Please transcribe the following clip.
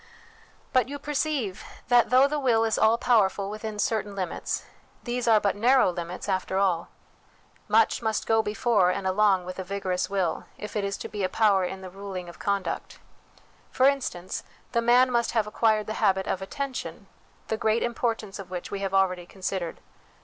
But you perceive that, though the will is all power ful within certain limits, these are but narrow limits after all. Much must go before and along with a vigorous will if it is to be a power in the ruling of conduct. For instance, the man must have acquired the habit of attention, the great importance of which we have already considered.